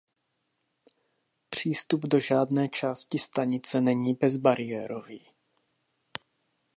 Přístup do žádné části stanice není bezbariérový.